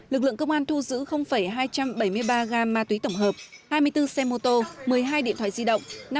lực lượng công an thu giữ hai trăm bảy mươi ba gam ma túy tổng hợp hai mươi bốn xe mô tô một mươi hai điện thoại di động